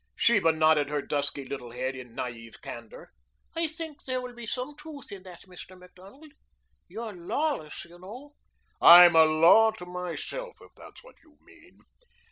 Sheba nodded her dusky little head in naïve candor. "I think there will be some truth in that, Mr. Macdonald. You're lawless, you know." "I'm a law to myself, if that's what you mean.